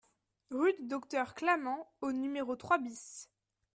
Rue du Docteur Clament au numéro trois BIS